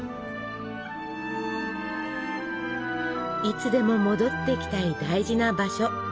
いつでも戻ってきたい大事な場所。